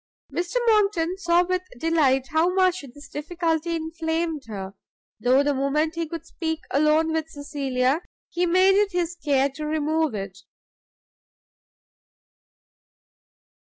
Mr Monckton saw with delight how much this difficulty inflamed her, though the moment he could speak alone with Cecilia he made it his care to remove it.